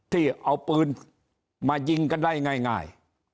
ที่เอาปืนมายิงกันได้ง่าย